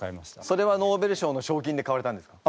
それはノーベル賞の賞金で買われたんですか？